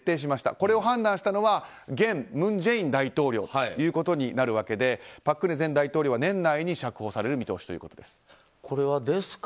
これを判断したのは現文在寅大統領ということになるんですが朴槿惠前大統領は年内に釈放される見通しということです。